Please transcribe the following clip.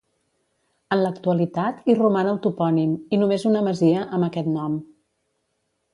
En l'actualitat hi roman el topònim, i només una masia, amb aquest nom.